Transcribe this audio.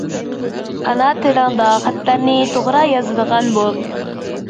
ئانا تىلىڭدا خەتلەرنى توغرا يازىدىغان بول.